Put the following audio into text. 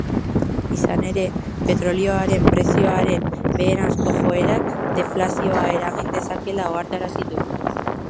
Izan ere, petrolioaren prezioaren beheranzko joerak deflazioa eragin dezakeela ohartarazi du.